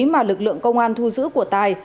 mà lực lượng công an thu giữ của tài